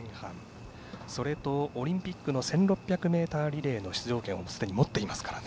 それと、オリンピックの１６００ｍリレーの出場権をすでに持っていますからね。